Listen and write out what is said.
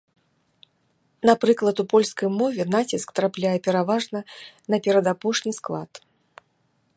Напрыклад, у польскай мове націск трапляе пераважна на перадапошні склад.